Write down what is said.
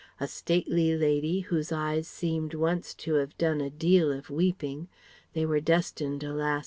A stately lady whose eyes seemed once to have done a deal of weeping (they were destined alas!